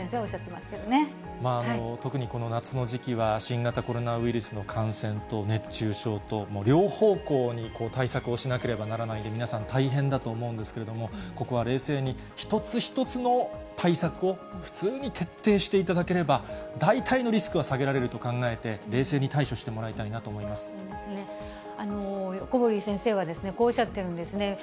まあ特にこの夏の時期は、新型コロナウイルスの感染と熱中症と、両方向に対策をしなければならないので、皆さん、大変だと思うんですけれども、ここは冷静に、一つ一つの対策を普通に徹底していただければ、大体のリスクは下げられると考えて、冷静に対処してもらいたいな横堀先生はこうおっしゃってるんですね。